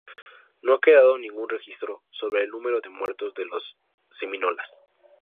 No ha quedado ningún registro sobre el número de muertos de los semínolas.